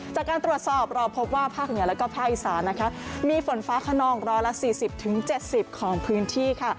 จากการตรวจสอบเราพบว่าภาคเหนือและภาคอีสานมีฝนฟ้าขนอง๑๔๐๗๐ของพื้นที่